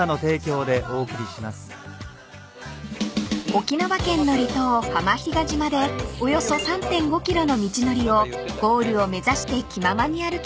［沖縄県の離島浜比嘉島でおよそ３．５ｋｍの道のりをゴールを目指して気ままに歩きます］